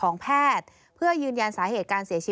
ส่วนรถที่นายสอนชัยขับอยู่ระหว่างการรอให้ตำรวจสอบ